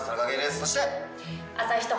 そして！